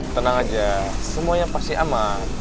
tenang aja semuanya pasti aman